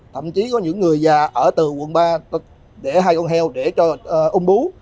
thậm chí có những người già ở từ quận ba để hai con heo để cho ung bú